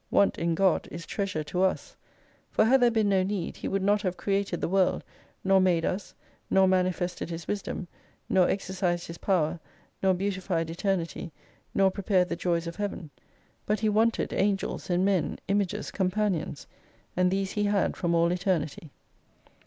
Want in God is treasure to us. For had there been no need He would not have created the World, nor made us, nor manifested His wisdom, nor exercised His power, nor beautified Eternity, nor pre pared the Joys of Heaven. But he wanted Angels and Men, Images, Companions : And these He had from all Eternity.